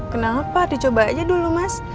kenapa dicoba aja dulu mas